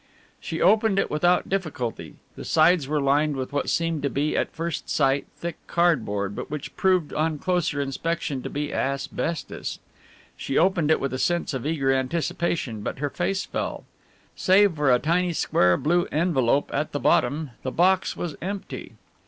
She opened it without difficulty. The sides were lined with what seemed to be at first sight thick cardboard but which proved on closer inspection to be asbestos. She opened it with a sense of eager anticipation, but her face fell. Save for a tiny square blue envelope at the bottom, the box was empty!